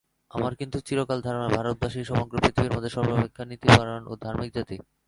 আমার কিন্তু চিরকাল ধারণা, ভারতবাসীই সমগ্র পৃথিবীর মধ্যে সর্বাপেক্ষা নীতিপরায়ণ ও ধার্মিক জাতি।